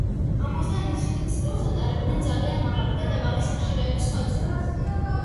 ამასთან, ისინი ცდებს ატარებდნენ ძალიან მაღალი და დაბალი სიხშირის ხმებზე.